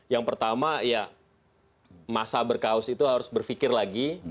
yang pertama ya masa berkaos itu harus berpikir lagi